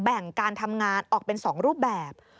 แบ่งการทำงานออกเป็น๒รูปแบบ